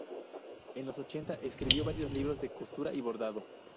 En los ochenta, escribió varios libros de costura y bordado.